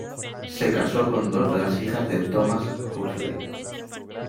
Se casó con dos de las hijas de Thomas Huxley.